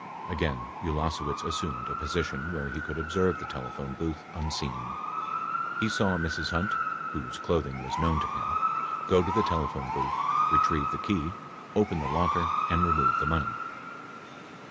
Again Ulasewicz assumed a position where he could observe the telephone booth unseen. He saw Mrs. Hunt (whose clothing was known to him) go to the telephone booth, retrieve the key, open the' locker and remove the money.